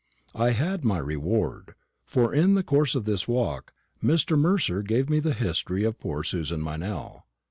I had my reward; for, in the course of this walk, Mr. Mercer gave me the history of poor Susan Meynell.